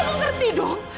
mesti kamu ngerti dong